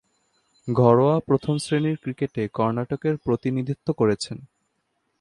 ঘরোয়া প্রথম-শ্রেণীর ক্রিকেটে কর্ণাটকের প্রতিনিধিত্ব করেছেন।